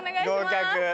合格。